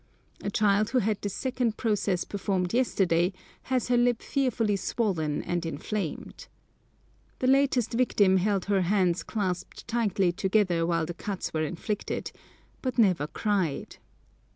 A child who had this second process performed yesterday has her lip fearfully swollen and inflamed. The latest victim held her hands clasped tightly together while the cuts were inflicted, but never cried.